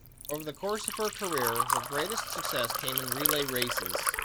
Over the course of her career her greatest success came in relay races.